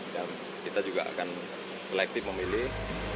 dan kita juga akan selektif memilih